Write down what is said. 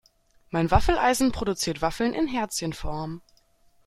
Mein Waffeleisen produziert Waffeln in Herzchenform.